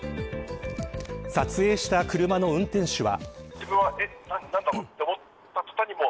撮影した車の運転手は。